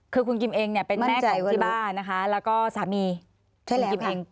คือคุณกิมเองเนี่ยเป็นแม่ของที่บ้านนะคะแล้วก็สามีชื่อคุณกิมเอง